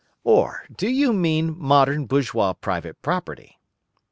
Or do you mean modern bourgeois private property?